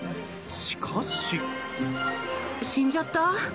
しかし。